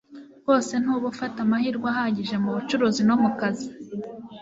rwose ntuba ufata amahirwe ahagije mu bucuruzi no mu kazi.”